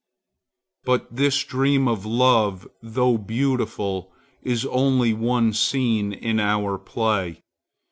But this dream of love, though beautiful, is only one scene in our play.